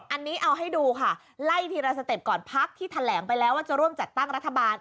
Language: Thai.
อันนี้เอาให้ดูค่ะไล่ทีละสเต็ปก่อนพักที่แถลงไปแล้วว่าจะร่วมจัดตั้งรัฐบาล